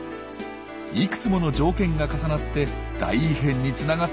いくつもの条件が重なって大異変につながったと考えられています。